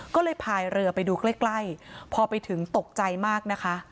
ก็เลยพายเรือไปดูใกล้ใกล้พอไปถึงตกใจมากนะคะ